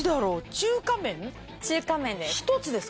中華麺です。